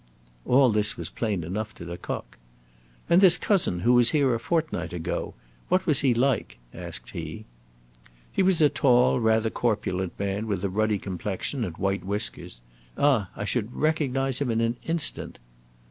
All this was plain enough to Lecoq. "And this cousin who was here a fortnight ago, what was he like?" asked he. "He was a tall, rather corpulent man, with a ruddy complexion, and white whiskers. Ah! I should recognize him in an instant!"